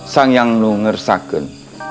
sang yang nungersaken